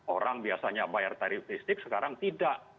orang biasanya bayar tarif listrik sekarang tidak